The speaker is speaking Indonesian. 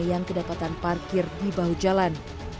yang kedapatan parkir di bahu jalan